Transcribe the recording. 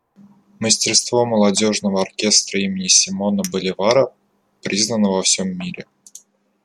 Мастерство молодежного оркестра имени Симона Боливара признано во всем мире.